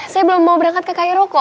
saya belum mau berangkat ke kaya roko